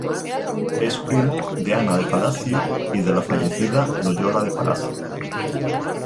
Es primo de Ana de Palacio y de la fallecida Loyola de Palacio.